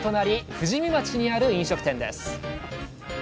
富士見町にある飲食店です